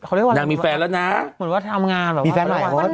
เขาเรียกว่านางมีแฟนแล้วนะเหมือนว่าทำงานเหรอมีแฟนใหม่